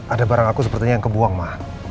ada barang aku sepertinya yang kebuang mah